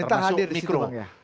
dan pemerintah hadir di situ bang ya